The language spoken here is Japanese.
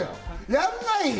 やんないよ！